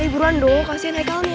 hei buruan dong kasian haikalnya